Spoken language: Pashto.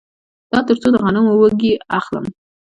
دا تر څو د غنمو وږي واخلم